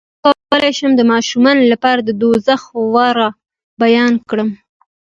څنګه کولی شم د ماشومانو لپاره د دوزخ اور بیان کړم